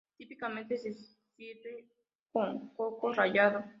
Típicamente se sirve con coco rallado